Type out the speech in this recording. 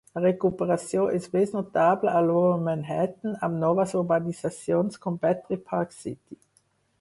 La recuperació és més notable a Lower Manhattan amb noves urbanitzacions com Battery Park City.